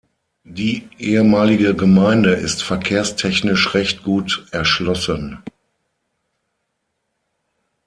Die ehemalige Gemeinde ist verkehrstechnisch recht gut erschlossen.